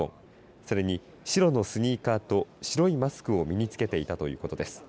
それに白のスニーカーと白いマスクを身に付けていたということです。